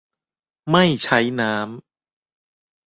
ไม่ใช้น้ำ